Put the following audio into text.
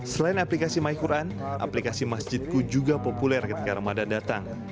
selain aplikasi myquran aplikasi masjidku juga populer ketika ramadan datang